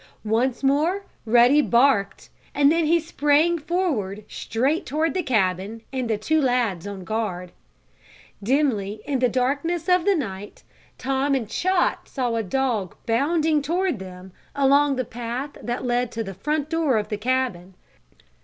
Once more Ruddy barked, and then he sprang forward, straight toward the cabin and the two lads on guard. Dimly, in the darkness of the night, Tom and Chot saw a dog bounding toward them, along the path that led to the front door of the old cabin.